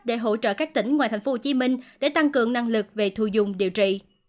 để hỗ trợ các tỉnh ngoài thành phố hồ chí minh để tăng cường năng lực về thu dung điều trị